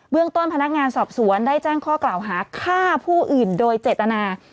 เรื่องต้นพนักงานสอบสวนได้แจ้งข้อกล่าวหาฆ่าผู้อื่นโดยเจตนา